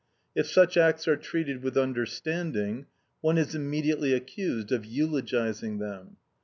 If such acts are treated with understanding, one is immediately accused of eulogizing them.